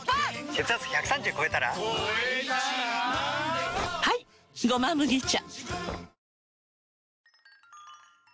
血圧１３０超えたら超えたらはい「胡麻麦茶」